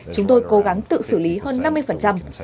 chúng tôi cố gắng tự xử lý hơn năm mươi